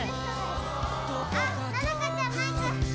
・あっのどかちゃんマイク。